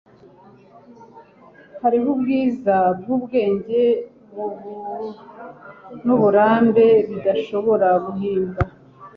hariho ubwiza bwubwenge nuburambe bidashobora guhimbwa